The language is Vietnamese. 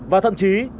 và thậm chí